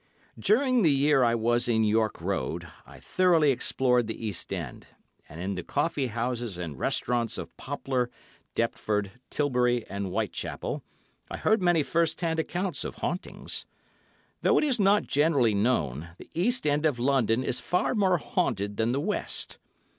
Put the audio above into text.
During the year I was in York Road I thoroughly explored the East End, and in the coffee houses and restaurants of Poplar, Deptford, Tilbury and Whitechapel I heard many first hand accounts of hauntings. Though it is not generally known, the East End of London is far more haunted than the West.